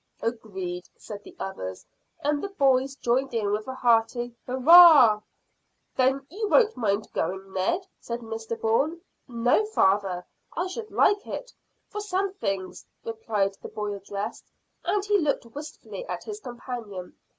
"Agreed," said the others, and the boys joined in with a hearty "Hurrah!" "Then you won't mind going, Ned?" said Mr Bourne. "No, father. I should like it for some things," replied the boy addressed, and he looked wistfully at his companion.